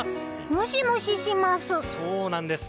ムシムシします。